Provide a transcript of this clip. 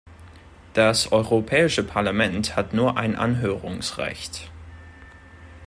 Das Europäische Parlament hat nur ein Anhörungsrecht.